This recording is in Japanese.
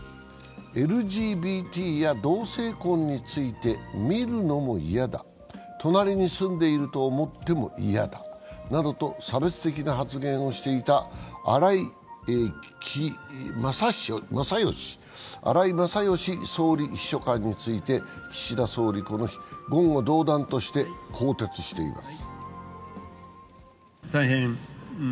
ＬＧＢＴや同性婚について見るのも嫌だ、隣に住んでいると思っても嫌だなどと差別的な発言をしていた荒井勝喜総理秘書官について岸田総理、この日、言語道断として更迭しています。